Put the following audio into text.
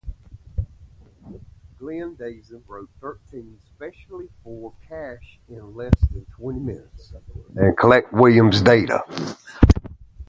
Glenn Danzig wrote "Thirteen" specifically for Cash in less than twenty minutes.